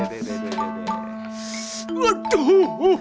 udah udah udah